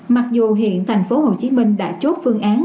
mặc dù hiện thành phố hồ chí minh đã chốt phương án